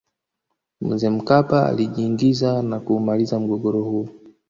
mzee mkapa alijiingiza na kuumaliza mgogoro huo